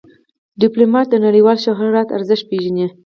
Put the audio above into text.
ډيپلومات د نړیوال شهرت ارزښت پېژني.